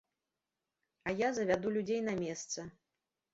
А я завяду людзей на месца.